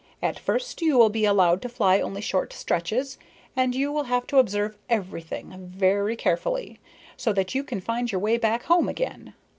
At first you will be allowed to fly only short stretches and you will have to observe everything, very carefully, so that you can find your way back home again.